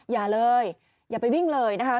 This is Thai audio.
อย่าเลยอย่าไปวิ่งเลยนะคะ